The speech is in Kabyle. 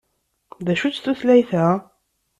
D acu-tt tutlayt-a?